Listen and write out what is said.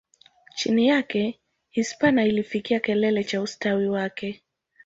Chini yake, Hispania ilifikia kilele cha ustawi wake.